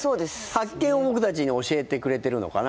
発見を僕たちに教えてくれてるのかな。